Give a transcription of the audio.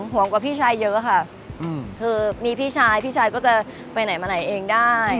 กว่าพี่ชายเยอะค่ะคือมีพี่ชายพี่ชายก็จะไปไหนมาไหนเองได้